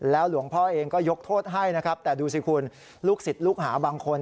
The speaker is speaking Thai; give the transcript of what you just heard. หลวงพ่อเองก็ยกโทษให้นะครับแต่ดูสิคุณลูกศิษย์ลูกหาบางคน